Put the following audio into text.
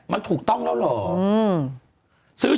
มันถูกต้องแล้วเหรอ